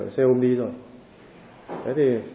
xe ôm đi rồi